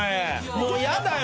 もうやだよ